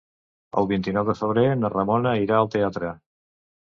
El vint-i-nou de febrer na Ramona irà al teatre.